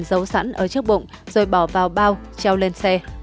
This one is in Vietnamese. giấu sẵn ở trước bụng rồi bỏ vào bao treo lên xe